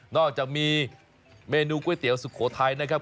อกจากมีเมนูก๋วยเตี๋ยวสุโขทัยนะครับ